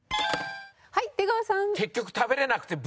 はい出川さん。